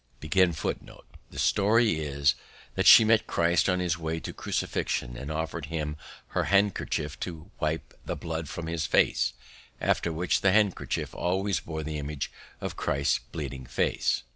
The story is that she met Christ on His way to crucifixion and offered Him her handkerchief to wipe the blood from His face, after which the handkerchief always bore the image of Christ's bleeding face.